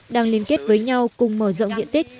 đang liên kết với nhau cùng mở rộng diện tích